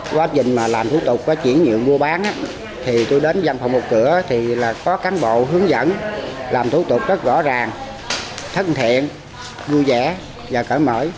quá trình mà làm thủ tục có chuyển nhiệm mua bán thì tôi đến dòng phòng một cửa thì là có cán bộ hướng dẫn làm thủ tục rất rõ ràng thất thiện vui vẻ và cỡ mở